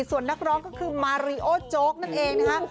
ส่วนนักร้องก็คือมาริโอโจ๊กนั่นเองนะคะ